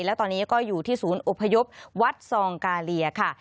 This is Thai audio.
และตอนนี้ก็อยู่ที่ศูนย์อพยพวัดซองกาเลียค่ะ